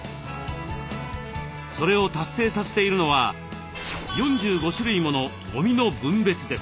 それを達成させているのは４５種類ものゴミの分別です。